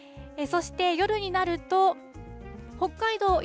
そして夜になると、北海道